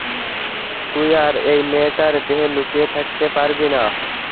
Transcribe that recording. তুই আর এই মেয়েটার দেহে লুকিয়ে থাকতে পারবি না!